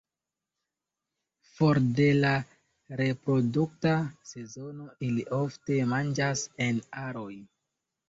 For de la reprodukta sezono ili ofte manĝas en aroj.